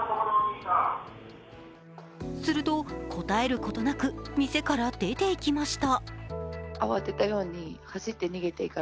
すると、答えることなく店から出て行きました。